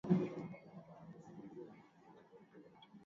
ambamo Kiswahili na lugha hizo nyingine hu